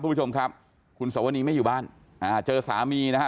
คุณผู้ชมครับคุณสวนีไม่อยู่บ้านอ่าเจอสามีนะฮะ